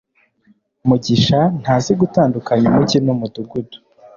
mugisha ntazi gutandukanya umujyi numudugudu